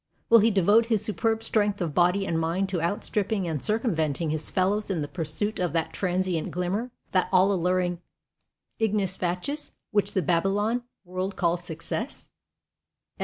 Will he devote his superb strength of body and mind to outstripping and circumventing his fellows in the pursuit of that transient glimmer, that all alluring ignis fatuus which the Babylon world calls success?